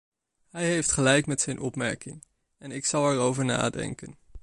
Hij heeft gelijk met zijn opmerking en ik zal erover nadenken.